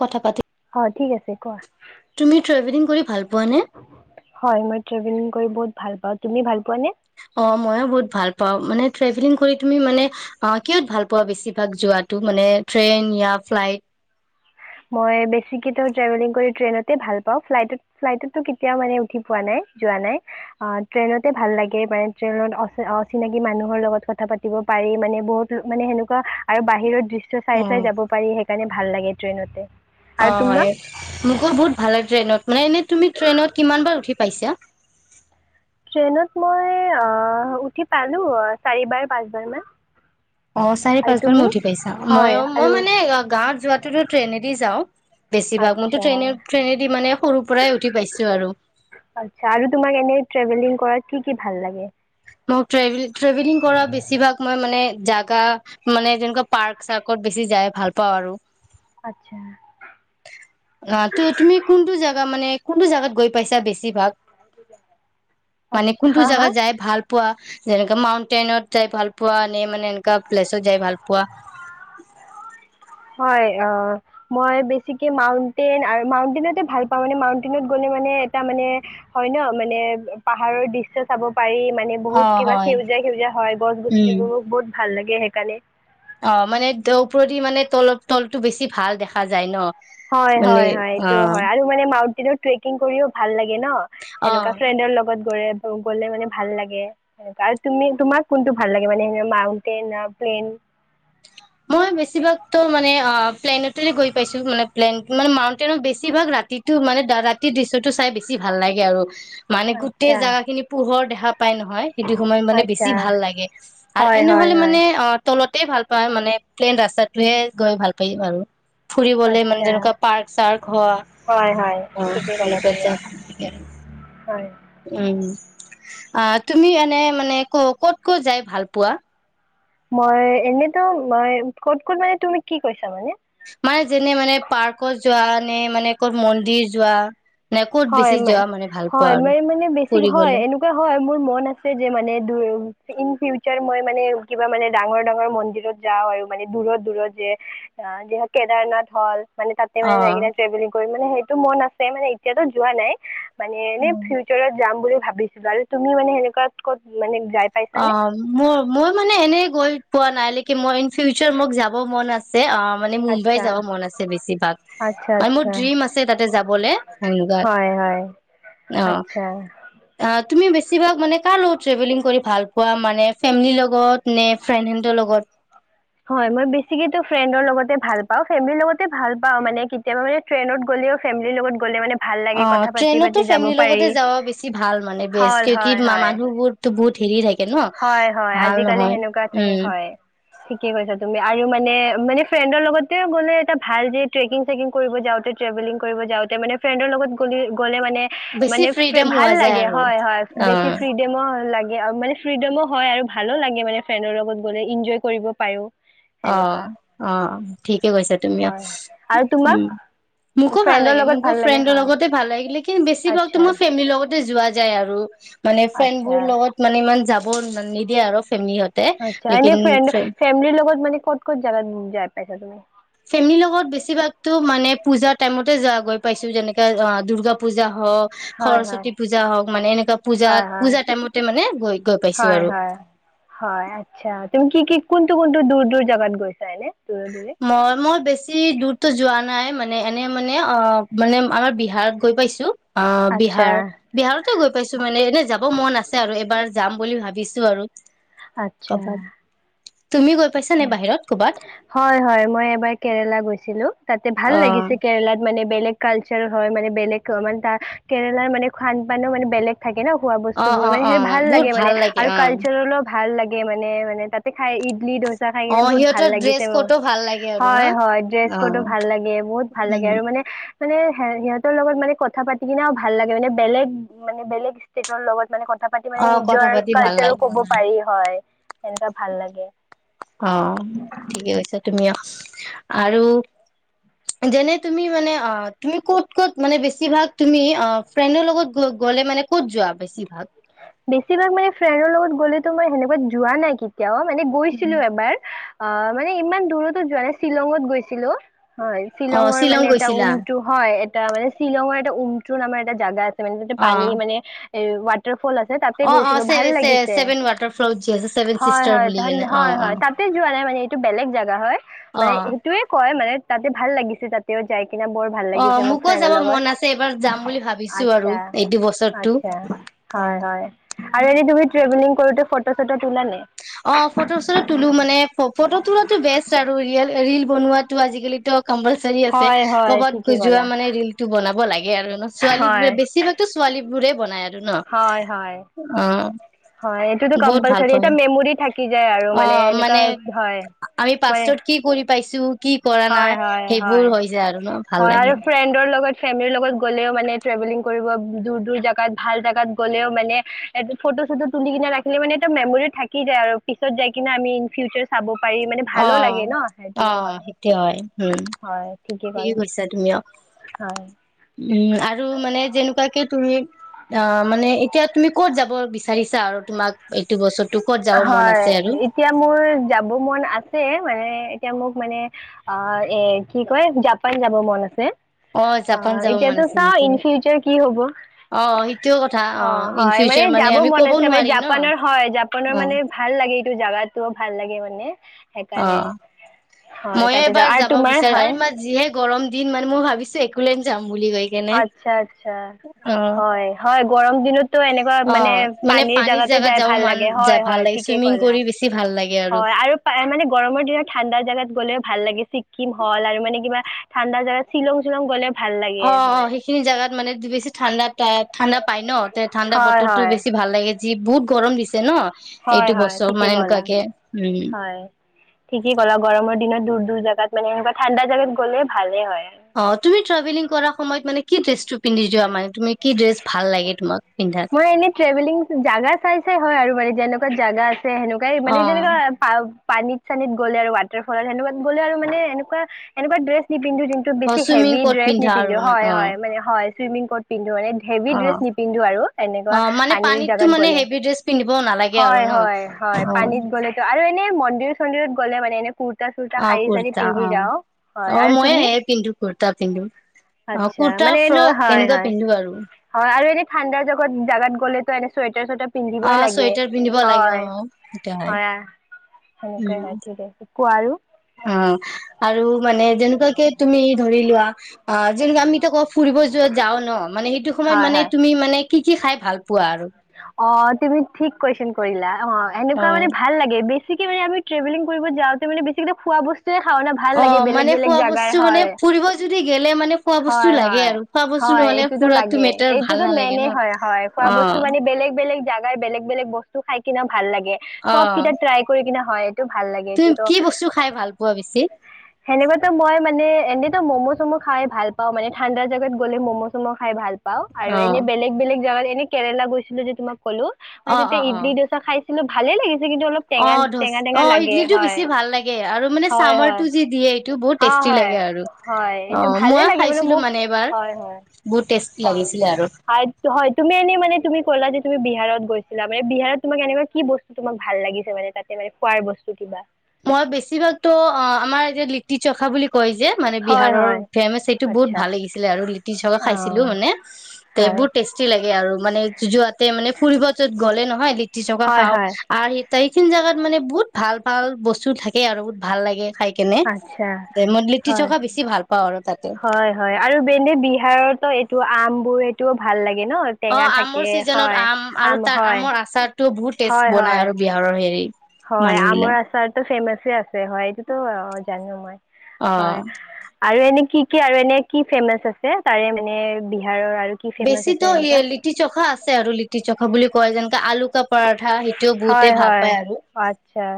কথা পাতি অ', ঠিক আছে কোৱা। তুমি ট্ৰভেলিং কৰি ভাল পোৱা নে? হয়, মই ট্ৰেভেলিং কৰি বহুত ভাল পাওঁ, তুমি ভাল পোৱা নে? অ', ময়ো বহুত ভাল পাওঁ মানে ট্ৰেভেলিং কৰি তুমি মানো আ, কিহত ভাল পোৱা বেছিভাগ যোৱাটো মানে ট্ৰেইন য়া ফ্লাইট? মই বেছিকেই ত ট্ৰেভেলিং কৰি ট্ৰেইনতে ভাল পাওঁ ফ্লাইত ফ্লাইটতো কেতিয়াও মানে উঠি পোৱা নাই যোৱা নাই আহ ট্ৰেইনতে ভাল লাগে মানে ট্ৰেইনত অচিনাকি মানুহৰ লগত কথা পাতিব পাৰি মানে বহুত মানে সেনেুৱা আৰু বাহিৰত চাই অ চাই যাব পাৰি সেইকাৰণে ভাল লাগে ট্ৰেইনতে অ আৰু তোমাক মোকো বহুত ভাল লাগ ট্ৰেইনত মানে এনেই তুমি ট্ৰেইনত কিমান বাৰ উঠি পাইছা ট্ৰেইনত মই উঠি পালো চাৰি পাচঁবাৰ মান অ চাৰি পাঁচ বাৰ মান উঠি পাইছা হয় মই মই আৰু মানে গাঁৱত যোৱাটোতো ট্ৰেইনেদি যাওঁ বেছিভাগ মইতো আচ্ছা ট্ৰেইনে ট্ৰেইনেদি মানে সৰুৰ পৰাই উঠি পাইছো আৰু আচ্ছা আৰু তোমাক এনে ট্ৰেভেলিং কৰাত কি কি ভাল লাগে মোক ট্ৰেভেল ট্ৰেভেলিং কৰা বেছিভাগ মই মানে জাগা মানে যেনেকুৱা পাৰ্ক চাৰ্কত বেছি যাই ভাল পাওঁ আৰু আচ্ছা অ ত তুমি কোনটো জাগা মানে কোনটো জাগাত গৈ পাইছা বেছিভাগ মানে আচ্ছা কোনটো হা হা জেগাত যায় ভাল পোৱা যে মাউন্টনত যাই ভাল পোৱা মানে এনে প্লেছত যাই ভাল পোৱা হয় অ মই বেছিকে মাউন্টেন আৰু মাউন্টেনতে ভাল পাওঁ মানে মাউন্টনত গলে মানে এটা মানে হয় ন মানে পাহাৰৰ দৃশ্য চাব পাৰি মানে অ বহুত কিবা হয় সেউজীয়া সেউজীয়া হয় গছ উম গছনিবোৰ বহুত ভাল লাগে সেইকাৰণে অ মানে ত ওপৰেদি মানে তলৰ তলতটো বেছি ভাল দেখা যায় ন হয় মানে হয় হয় অ এইটো হয় আৰু মানে মাউ ট্ৰেকিং কৰিও ভাল লাগে ন অ সেনেকুৱা ফ্ৰেণ্ডৰ লগত গলে মানে ভাল লাগেৱে আৰু তুমি তোমাক কোনটো ভাল লাগে মানে মাউন্টেইন প্লেইন মই বেছিভাগতো মানে প্লেনেতেৰে গৈ পাইছো মানে প্লেন মানে মাউন্টেইনত বেছিভাগ ৰাতিতটো মানে ৰাতিৰ দৃশ্য চাই বেছি ভাল লাগে আৰু মানে গোটেই আচ্ছা জাগা খিনি পোহৰ দেখা পায় নহয় সেইটো সময় মানে বেছি আচ্ছা ভাল লাগে আৰু হয় হয় এনেহলে হয় মানে তলত তে ভাল পায় মানে প্লেইন ৰাস্তাটোহে গৈ ভালকে পাম ফুৰিবলে মানে আচ্ছা যেনেকুৱা পাৰ্ক চাৰ্ক হোৱা হয় হয় অ ঠিকেই ক'লা তুমি তেনেকুৱা এ হয় উম আহ তুমি এনে মানে ক কত ক'ত যায় ভাল পোৱা মই এনেতো মই কত ক'ত মানে তুমি কি কৈছা মানে মানে যেনে মানে পাৰ্কত যোৱা মানে মানে ক'ত মন্দিৰ যোৱা নে ক'ত হয় বেছি মই যোৱা মানে ভাল পোৱা আৰু মানে হয় বেছি হয় ফুৰিবলে এনেকুৱা হয় মোৰ মন আছে যে, মানে দূৰ ইনফিউচাৰ মই মানে কিবা মানে ডাঙৰ, ডাঙৰ মন্দিৰত যাওঁ আৰু মানে দূৰত, দূৰত যে, যেনে কেদাৰনাথ হ'ল মানে তাতে অ মানে যায় কেনে ট্ৰেভেলিং মানে সেইটো মন আছে মানে এতিয়াতো যোৱা নাই মানে এনেই ফিউচাৰত যাম বুলি ভাবিছিলোঁ আৰু তুমি মানে সেনেকুৱাত ক'ত মানে যাই পাইছানে অ', মই, মই মানে এনে গৈ পোৱা নাই [unintelligible] মই ইন ফিউচাৰ মোক যাব মন আছ অ', মানে মুম্বাই‌ আচ্ছা, যাব মন আছে বেছিভাগ, আচ্ছা, মোৰ আচ্ছা, ড্ৰীম আছে তাতে যাবলে এনেকুৱা। হয়, হয়, অ', আচ্ছা। আ, তুমি বেছি চিভাগ মানে কাৰ লগত ট্ৰেভেলিং কৰিম? ভালপোৱা মানে ফেমিলিৰ লগত নে ফ্ৰেণ্ড হেন্ডৰ লগত? হয় মই বেছিকে টো ফ্ৰেণ্ডৰ লগতে ভালপাওঁ, ফেমেলী লগতে ভালপাওঁ মানে ট্ৰেনত গ'লে ও ফেমেলী লগত গ'লে মানে ভাল লাগে কথা অ' পাতি পাতি ট্ৰেইনতো যাব ফেমিলিৰ পাৰি। লগতে যাৱা বেছি ভাল মানে বেছ হয়, কিয়ো কি হয়, হয়। মানুহবোৰো বহুত ধিৰি যায়। হয়, হয় আজিকালি সেনেকুৱা থাকে উম। হয়, ঠিকে কৈছা তু মি আৰু মানে মানে ফ্ৰেণ্ডৰ লগতে গ'লে এটা ভাল যে ট্ৰেকিং চেকিং কৰিব যাওঁতে ট্ৰেভেলিং কৰিব যাওঁতে মানে ফ্ৰেণ্ডৰ লগত গ'লে গ'লে মানে বেছি নে ফ্ৰীডম ভাল হোৱা যায় লাগে আৰু। হয় হয় বেছি অ', ফ্ৰিডমো ভাল লাগে। কি আৰু মানে ফ্ৰীডমো হয় আৰু ভালো লাগে মানে ফ্ৰেণ্ডৰ লগত গ'লে এনজয় কৰিব পাৰো। সেনেকুৱা অ' অ' ঠিকে কৈছা তুমি, অ' হয় আৰু তোমাক উম মোকো ভাল ফ্ৰেণ্ডৰ লাগে লগত মোকো ভাল লাগে ফ্ৰেণ্ডৰ হয় লগতে ভাল লাগিলে লেকিন বেছি ভাগতো আচ্ছা মই ফেমিলিৰ লগততে যোৱা যায় আৰু। মানে আচ্ছা ফ্ৰেণ্ডবোৰ লগত মানে ইমান যাব নিদিয়ে আৰু ফেমিলিহতে আচ্ছা এনে লেকিন ফ্ৰেণ্ড ফ্ৰে ফেমিলিৰ লগত মানে ক'ত ক'ত জাগাত যাই পাইছা তুমি? ফেমিলিৰ লগত বেছিভাগতো মানে পূজাৰ টাইমত তে য গৈ পাইছোঁ যেনেকে অ' দূৰ্গা পূজা। হ'ক হয় হয় সৰস্বতী পূজা হওঁক মানে এনেকুৱা হয় পূজাত হয় পূজা টাইমতে মানে গৈ গৈ পাইছোঁ হয় আৰু। হয় হয় আচ্ছা তুমি কি কি কোনটো, কোনটো দূৰ, দূৰ জেগাত গৈছা এনে? দূৰে দূৰে মই-মই বেছি দূৰতো যোৱা নাই। মানে এনে মানে অহ, মানে আমাৰ বিহাৰত গৈ পাইছোঁ। অহ, আচ্ছা বিহাৰ, বিহাৰতে গৈ পাইছোঁ মানে এনে যাব মন আছে আৰু এবাৰ যাম। বুলি ভাবিছোঁ আৰু। আচ্ছা। ক'বাত তুমি গৈ পাইছা আচ্ছা নে বাহিৰত ক'বাত? হয় হয়। মই এবাৰ কেৰেলা গৈছিলোঁ। তাতে ভাল অ লাগিছে কেৰেলাত মানে বেলেগ কালচাৰ হয়, মানে বেলেগ ৰ মানে তাৰ কেৰেলাৰ মানে খান-পানো মানে বেলেগ থাকে ন খোৱা বস্তু অ বোৰ, অ মানে অ সেই ভাল বহুত লাগে মানে আৰু অ কালচাৰেলো ভাল লাগে। সেয়ে মানে মানে তাতে খায় ঈদ [unintelligible] চা খাই অ কিনে বহুত ভাল সিহঁতৰ ড্ৰেছ লাগিছে মোৰ। ক'ডো ভাল লাগে আৰু ন হয় হয়, ড্ৰেছ অ কডো ভাল লাগে, বহুত ভাল লাগে উম আৰু মানে মানে হে-সিহঁতৰ লগত মানে কথা পাতি কিনেও ভাল লাগে মানে বেলেগ মানে বেলেগ ষ্টেটৰ লগত মানে কথা পাতি মানে অ কথা নিজৰ পাতি ভাল কালচাৰো লাগে ক'ব পাৰি, হয়। সেনকা ভাল লাগে। অহ, ঠিকে কৈছে তুমিয়ো। আৰু যেনে তুমি মানে, অ' তুমি ক'ত? ক'ত মানে বেছিভাগ তুমি, অ' ফ্ৰেণ্ডৰ লগত গ'লে মানে ক'ত যোৱা বেছিভাগ? বেছিভাগ মানে ফ্ৰেণ্ডৰ লগত গ'লেতো, মই হেনেকুৱাত যোৱা নাই কি তেওঁ মানে গৈছিলোঁ উম। এবাৰ। অ', মানে ইমান দূৰতো যোৱা নাই। শ্বিলঙত গৈছিলোঁ। হয় অ শ্বিলঙৰ শ্বিলং মানে এটা গৈছিলা উমটো হয়। এটা মানে শ্বিলঙৰ উমটো নামৰ এটা জাগাত মানে, তাতে অ পানী মানে এই ৱাট ফল্ আছে, তাতে অ অ গৈছিলোঁ। চে ভাল চে লাগিছে। ছেভেন ৱাটাৰ ফ্ল'ত যি আছে ছেভেন হয়, চিষ্টাৰ হয়। বুলি কেনে অ হয়, অ হয়। তাতে যোৱা নাই মানে এইটো বেলেগ জাগা হয়। অ মানে হেইটোয়ে কয় মানে তাতে ভাল লাগিছে, তাতেও যাই কিনা বৰ ভাল লাগিছে অ', মোৰ মোকো ফ্ৰেণ্ডৰ যাব লগত মন আছে। এইবাৰ যাম বুলি ভাবিছো আৰু আচ্ছা এইটো বছৰটো। আচ্ছা অ হয়, হয়। আৰু এদিন তুমি ট্ৰেভেলিং কৰোতে ফটো চটো তোলা নে? অ', ফটো চটো তোলো, মানে ফটো তোলাতো বেষ্ট আৰু ৰিয়েল ৰিল বনোৱাটো আজিকালি ত' কম্পালচাৰী আছে। হয় হয় ক'বাত ঠিকেই যোৱা ক'লা মানে ৰিলটো বনাব লাগে আৰু ন। ছোৱালী, হয় বেছিভাগতো ছোৱালী এইবোৰে বনাই আৰু ন। হয়, হয়, অ'। হয় এইটোতো বহুত ভাল কম্পালছৰি পায়। এতিয়া [unintelligible] মেমৰি থাকি যায় আৰু মানে এনেকুৱা হয়, মানে পাইছোঁ। হয়, হয়, হয়, ন ভাল হয় আৰু লাগে। ফ্ৰেন্ডৰ লগত ফেমিলিৰ লগত গ'লেও মানে ত্ৰেভেলিং কৰিব দূৰ, দূৰ জাগাত ভাল জাগাত গ'লেও মানে ফটো চটো তুলি কিনে ৰাখিলে মানে এটা মেমৰি থাকি যায় আৰু পিছত যায় কিনে আমি ইনফিউচাৰ চাব পাৰি মানে ভালো লাগে অ', ন? সেইটোও অ' হয়। সেইটো হয় উম। হয় ঠিকেই ঠিকে ক'লা কৈছা তুমি অ হয় উম, আৰু মানে তেনেকৈ তুমি ও মানে এতিয়া তুমি ক'ত যাব বিচাৰিছা আৰু তোমাক এইটো বস্তু, হয় এতিয়া মোৰ যাব মন আছে মানে এতিয়া মোৰ মানে অ এ কি কয় জাপান যাব মন আছে। অ জাপান যাব মন এতিতো আছে চাও নেকি? ইন ফিউাৰ কি হব অ' সেইটোও কথা অ ইন হয় মানে ফিউচাৰ যাব আমি মন ক'ব আছে মান নোৱাৰি ন জাপানৰ হয় মানে অ'। ভাল লাগে এইটো জাগাতো ভাল লাগে মানে অ সেইকাৰণে হয় মইে তাতে যাওঁ এবাৰ আৰু যাব তোমাৰ বিচাৰো হয় আৰু ইাৰ যিহে গৰম দিন মানে মই ভাবিছো একো কুলিঞ্জাম আচ্ছা, আচ্ছা, অ হয় হয় গৰম দিনতো এনেকুৱা অ মানে মানে পানীৰ জেগাতে জাগাত যাই যাব ভাল মান লাগে। হয় ভাল হয় লাগে ঠিকে চুইমিং কলা কৰি বেছি ভাল লাগে হয় আৰু মানে গৰমৰ দিনত ঠাণ্ডা জেগাত গ'লে ভাল লাগে সি কিম হ'ল আৰু মানে কিবা ঠাণ্ডা দিনত শ্বিলং শ্বিলং গলে, ভাল লাগে অ হয় সেইখিনি জাগাত মানে বেছি ঠাণ্ডা ঠাণ্ডা পাই ন ঠাণ্ডা হয় বতৰ টো হয় বেছি ভাল লাগে যি বহুত গৰম দিছে ন, হয়, এইটো হয় বছৰ ঠিকে মানে কলা এনেকুৱাকে উম হয় ঠিকেই ক'লা গৰমৰ দিনত দু জাগাত মানে এনকা ঠাণ্ডা জাগাত গ'লে ভালেই হয় অ তুমি ট্ৰেভেলিং কৰাৰ সময়ত মানে কি ড্ৰেছটো পিন্ধি যোৱা মানে তুমি কি ড্ৰেছ ভাল লাগে তোমাক পিন্ধাত মই এনেই ট্ৰেভেলিং জাগা চাই চাই হয় আৰু মানে, যেনেকুৱা জাগা আছে সেনেকুৱাই মানে অ যেনেকুৱা পানীত চানীত গ'লে আৰু ৱাটাৰফলত তেনেকুৱা গ'লে আৰু মানে এনেকুৱা, এনেকুৱা ড্ৰেছ পিন্ধো কিোনু অ বেছি চুইমিং হেভি ক'ত ড্ৰেছ পিন্ধা আৰু নিপিন্ধো ন হয় অ মানে হয় চুইমিং হেভী অ ড্ৰেছ নিপিন্ধো আৰু ইনকা অ মানে পানীৰ পানীততো জেগাত মানে গলে, হেভি ড্ৰেছ পিন্ধিবও নালাগে আৰু হয় ন হয়, অ পানীত গলে টো অ মন্দিৰ চন্দিৰত গ'লে মানে এনে কুৰ্তা চুৰ্তা অ', শাৰী চাৰী কুৰ্তা পিন্ধি অ', যাওঁ হয় অ', আৰু ময়ে তুমি? এয়ে পিন্ধো কুৰ্তা পিন্ধো। অ', আচ্ছা কুৰ্তা, মানে এনে ফ্ৰক হয় এনেকুৱা হয় পিন্ধো আৰু। হয় আৰু এনে ঠাণ্ডা জগত, জগাত গ'লেটো এনে চুৱটাৰ চেটাৰ অ', চুৱেটাৰ পিন্ধিব লাগে অ', সেইটো হয়, সেনেকুৱাই হয় উম, ঠিক আছে কোৱা আৰু অ', আৰু মানে যেনেকুৱাকে তুমি ধৰি লোৱা অ', যেনেকুৱা আমিটো কওঁ, ফুৰিব যোৱাত যাওঁ ন মানে সেইটো সময়ত হয় মানে হয় তুমি মানে কি, কি খাই ভাল পোৱা আৰু? অ', তুমি ঠিক কুৱেশচন কৰিলা। অ', এনেকুৱা মানে ভাল লাগে বেছ [unintelligible] আমি ট্ৰেভেলিং কৰিব যাওঁতে মানে বেছি খোৱা বচ অ' মানে খোৱা বস্তু মানে হয় ফুৰিব যদি গেলে মানে খোৱা বস্তু হয় লাগে হয় আৰু খোৱা বস্তু হয় নহ'লে, এইটোতো ফুৰাতো লাগে, মেটাৰ এইটো ভাল টো নালাগে মেইনে ন হয়, হয় খোৱা অ বস্তু মানে বেলেগ বে বেলেগ জেগাৰ, বেলেগ বেলেগ বস্তু খাই কিনে ভাল লাগে। চব অ', কিতাপ ট্ৰাই কৰি কিনে হয়। ভাল লাগে, তুমি এইটো টো! কি বস্তু খাই ভাল পোৱা বেছি? সেনেকুৱাটো মই মানে, এনে টো মই ম'ম' খাই ভাল পাওঁ মানে, ঠাণ্ডা জাগাত গ'লে ম' চুপ খাই ভাল পাওঁ, আৰু এনে অ', বেলেগ, বেলেগ জেগাত এনে কেৰেলা গৈছিলো যে, তোমাক কলো, মই অ', তেতিয়া অ', ইডলি অ'। দচা খাই কিন্তু ভালে লাগিল। অ' অ' ইডলিটো হয় বেছি ভাল লাগে আৰু মানে হয় হয় চামাৰটো যি দিয়ে, এইটো বহুত হয় টেষ্টি হয় লাগে আৰু হয় এইটো অ' মই খাইছিলো মানে এবাৰ। বহুত টেষ্টি লাগিছিলে আৰু। অ' হয় তুমি এনে মানে তুমি ক'লা যে, তুমি বিহাৰ বিত গৈছিলা মানে, বিহাৰত তোমাক এনেকুৱা কি বস্তু তোমাক ভাল লাগিছে। মানে, তাতে মানে খোৱাৰ বস্তু কিবা মই বেছিভাগতো, অ' আমাৰ এতিয়া লিট্টি চোখা বুলি ক কয় যে, মানে হয় বিহাৰৰ হয় ফেমাচ সেইটো বহুত আচ্ছা ভাল লাগিছিলে আৰু লিটি চগা খাইছিলো, অঁ মানে হয় বহুত টেষ্টি লাগে আৰু মানে যোৱাতে মানে ফুৰিব য'ত গ'লে নহয় [unintelligible] হয় খাওঁ হয় আৰু [unintelligible] এইখিন জোগাত মানে বহুত ভাল, ভাল বস্তু থাকে আৰু বহুত ভাল লাগে। খাই কেনে, আচ্ছা মই লিটি হয় থকা বেছি ভাল পাওঁ আৰু। তাতে হয়, হয় আৰু এনে বিহাৰতো এইটো আমবোৰ টো ভাল লাগ অ', আমৰ ছিজনত আম আৰু তাৰ আমৰ আচাৰ টো বহুত টেষ্ট হয় বনাই হয় আৰু বিহাৰৰ হেৰি হয়, মানুহ গিলা আমৰ আচাৰতো ফেমাচে আছে হয়, এইটোতো জানো মই। হয় অ'। আৰু এনে কি, কি আৰু এনে কি ফেমাচ আছে? তাৰে মানে ভি বেছিতো ই লিটি চখা আছে আৰু লিটি চখা বুলি কয় যেনেকে আলু কা পৰঠা সেইটোও বহুতে হয়, ভাল হয় পায় আৰু আতচ্ছা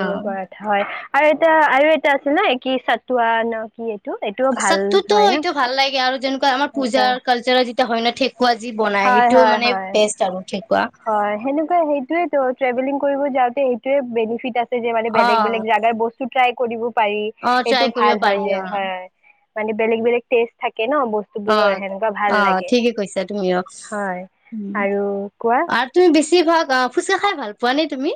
অ পৰঠা হয়। আৰু এটা আৰু এটা আছিল ন? এ কি চাটুৱা না কি? এইটো এইটোও ভাল চাটতোটো হয় ন এইটো ভাল লাগে আৰু যেনেকুৱা আমাৰ আচ্ছা পূজাৰ কালচাৰৰ যেতিয়া হয়, ন ঠেকুৱা যি বনাই হয় সেইটো হয় মানে হয় বেষ্ট আৰু ঠেকুৱা। হয় সেনেকুৱা সেইটোৱেতো ট্ৰেভেলিং কৰিব যাওঁতে এইটোয়ে বেনিফিট আছ যে, মানে অ বেলেগ, বেলেগ জেগাৰ বস্তু ট্ৰাই কৰিব পাৰি অ এইটো ট্ৰাই ভাল কৰিব হয়, পাৰি যে, অ হয়। মানে বেলেগ, বেলেগ টেষ্ট থাক অ', অ', ঠিকে কৈছা তুমি অ', হয় আৰু কোৱা আৰু তুমি বেছিভাগ আহ ফুচকা খাই ভাল পোৱা নে তুমি?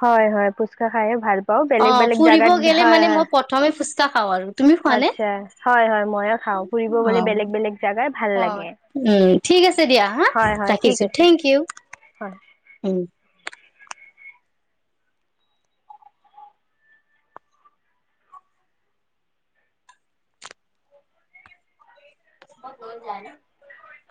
হয়, হয় ফুচকা খাই ভাল পাওঁ অ বেলেগ, বেলেগ ফুৰিব জাগাত গেলে হয়, মানে হয় মই প্ৰথমে ফুচকা খাওঁ আৰু তুমি খোৱা নে? আচছা হয়, হয় মইও খাওঁ ফুৰিব অ গ'লে বেলেগ, বেলেগ জাগাৰ ভাল অ', লাগে উ, ঠিক আছে দিয়া হা হয় হয় ৰাখিছো, ঠিক আছে থেংক ইউ। হয় উম। [unintelligible]